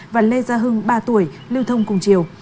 và lê gia hưng ba tuổi lưu thông cùng chiều